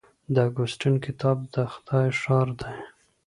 د اګوستین کتاب د خدای ښار دی.